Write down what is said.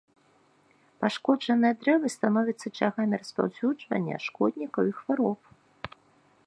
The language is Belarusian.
Пашкоджаныя дрэвы становяцца ачагамі распаўсюджвання шкоднікаў і хвароб.